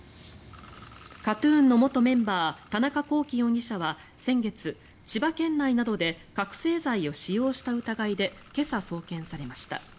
ＫＡＴ−ＴＵＮの元メンバー田中聖容疑者は先月千葉県内などで覚醒剤を使用した疑いで今朝、送検されました。